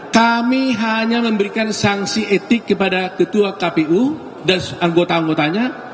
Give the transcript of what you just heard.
kami hanya memberikan sanksi etik kepada ketua kpu dan anggota anggotanya